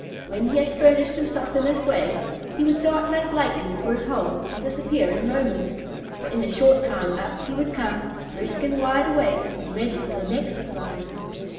When he had furnished himself in this way, he would dart like lightning for his hole, and disappear in a moment; but in a short time up he would come, brisk and wide awake, and ready for the next supply.